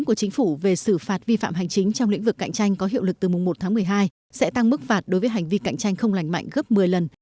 hai nghìn một mươi chín của chính phủ về xử phạt vi phạm hành chính trong lĩnh vực cạnh tranh có hiệu lực từ mùng một tháng một mươi hai sẽ tăng mức phạt đối với hành vi cạnh tranh không lành mạnh gấp một mươi lần